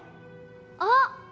あっ！